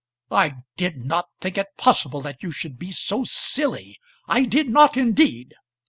"I did not think it possible that you should be so silly. I did not indeed."